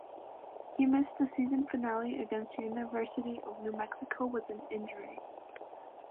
He missed the season finale against University of New Mexico with an injury.